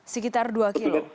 sekitar dua kg